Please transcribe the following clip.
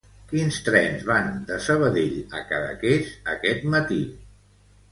Quins trens van de Sabadell a Cadaqués aquest matí?